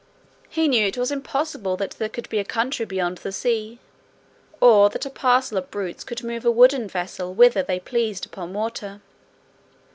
"He knew it was impossible that there could be a country beyond the sea, or that a parcel of brutes could move a wooden vessel whither they pleased upon water.